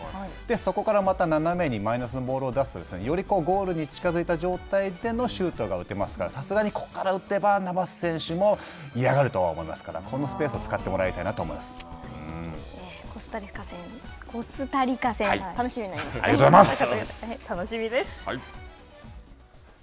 そこからまた斜めにマイナスのボールを出すよりゴールに近づいた状態でのシュートが打てますからさすがにここから打てばナバス選手も嫌がるとは思いますからこのスペースを使ってもらいたいコスタリカ戦がありがとうございます。